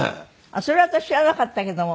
それ私知らなかったけども。